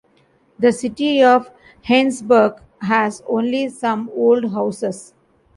The city of Heinsberg has only some old houses.